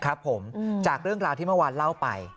ครับผมจากเรื่องราวที่เมื่อวานเล่าไป